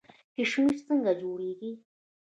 کشمش څنګه جوړیږي؟